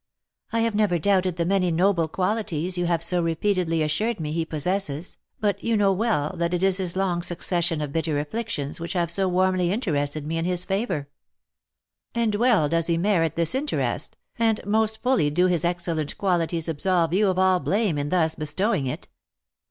"I have never doubted the many noble qualities you have so repeatedly assured me he possesses, but you know well that it is his long succession of bitter afflictions which have so warmly interested me in his favour." "And well does he merit this interest, and most fully do his excellent qualities absolve you of all blame in thus bestowing it.